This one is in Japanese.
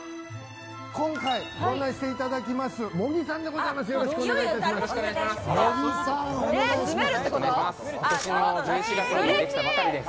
今回ご案内していただきます茂木さんです。